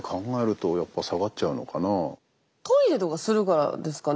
トイレとかするからですかね？